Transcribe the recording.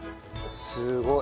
すごい。